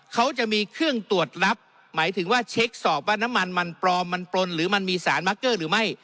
เขาจะมีเครื่องตรวจรับหมายถึงว่าเช็คสอบว่าน้ำมันมันปลอมมันปลนหรือมันมีสารมักเกอร์หรือไม่